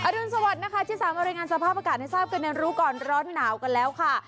รุนสวัสดิ์นะคะที่สามารถรายงานสภาพอากาศให้ทราบกันในรู้ก่อนร้อนหนาวกันแล้วค่ะ